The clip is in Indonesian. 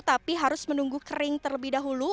tapi harus menunggu kering terlebih dahulu